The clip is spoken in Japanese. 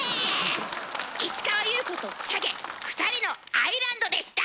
石川優子とチャゲ「ふたりの愛ランド」でした。